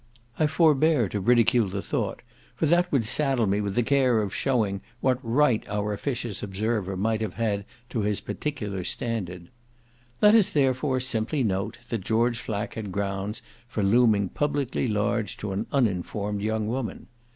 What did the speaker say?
I forbear to ridicule the thought, for that would saddle me with the care of showing what right our officious observer might have had to his particular standard. Let us therefore simply note that George Flack had grounds for looming publicly large to an uninformed young woman.